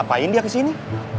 apaan dia ke sini